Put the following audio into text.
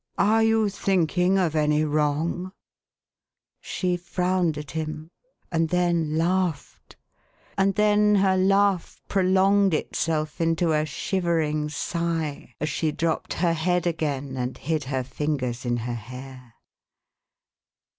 " Arc you thinking of any wrong ?" She frowned at him, and then laughed ; and then her laugh prolonged itself into a shivering sigh, as she dropped her head again, and hid her fingers in her hair.